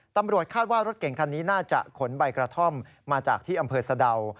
ตำรวจคาดว่ารถเก่งคันนี้น่าจะขนใบกระท่อมมาจากที่อำเภอสะดาว